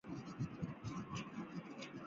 然而该国后来放弃了两个女子席位。